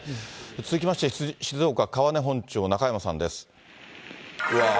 続きまして、静岡・川根本町、中山さんです。